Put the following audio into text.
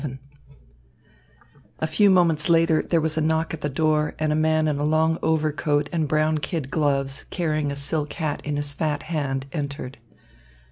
XI A few moments later there was a knock at the door, and a man in a long overcoat and brown kid gloves, carrying a silk hat in his fat hand entered.